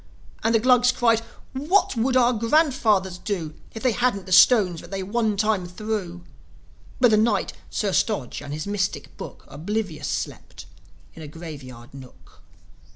And the Glugs cried, "What would our grandfathers do If they hadn't the stones that they one time threw?" But the Knight, Sir Stodge, and his mystic Book Oblivious slept in a grave yard nook.